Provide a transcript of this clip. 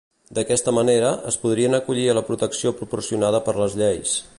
D'aquesta manera, es podrien acollir a la protecció proporcionada per les lleis.